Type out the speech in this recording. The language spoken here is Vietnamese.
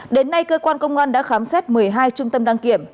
đến nay cơ quan công an đã khám xét một mươi hai trung tâm đăng kiểm